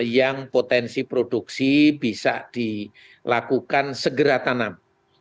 yang potensi produksi bisa dilakukan segera tanam